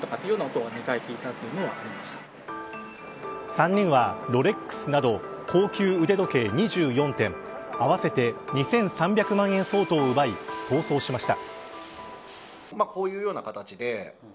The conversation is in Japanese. ３人は、ロレックスなど高級腕時計２４点合わせて２３００万円相当を奪い逃走しました。